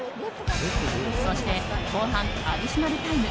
そして後半アディショナルタイム。